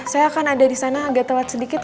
saya akan ada di sana agak tewat sedikit